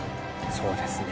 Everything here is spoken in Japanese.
そうですね。